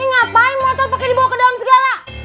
ini ngapain motor pake dibawa ke dalam segala